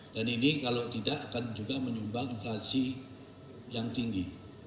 dan ini kalau tidak akan juga menyumbang inflasi yang tinggi